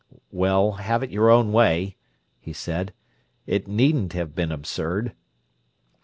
"Well, have it your own way," he said. "It needn't have been absurd."